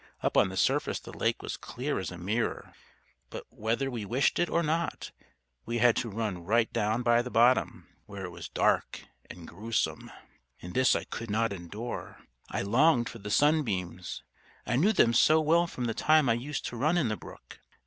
Up on the surface the lake was clear as a mirror. But whether we wished it or not, we had to run right down by the bottom, where it was dark and gruesome. And this I could not endure. I longed for the sunbeams. I knew them so well from the time I used to run in the brook.